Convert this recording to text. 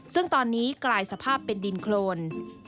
ซึ่งตอนนี้กลายสภาพเป็นดินโครน